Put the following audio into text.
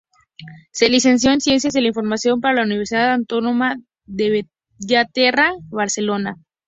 Se licenció en Ciencias de la Información por la Universidad Autónoma de Bellaterra, Barcelona.